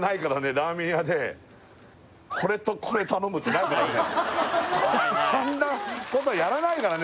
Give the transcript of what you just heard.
ラーメン屋でこれとこれ頼むってないからね